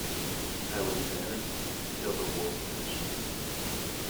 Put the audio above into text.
I was then — till the war finished.